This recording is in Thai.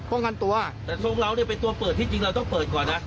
ป้องกันตัวแต่ทรงเราเนี่ยเป็นตัวเปิดที่จริงเราต้องเปิดก่อนนะ